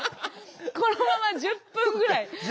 このまま１０分ぐらい。